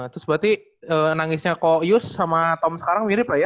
terus berarti nangisnya kok yus sama tom sekarang mirip lah ya